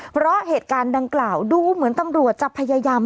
เพราะเหตุการณ์ดังกล่าวดูเหมือนตำรวจจะพยายาม